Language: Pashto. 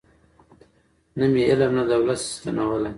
نه مي علم نه دولت سي ستنولای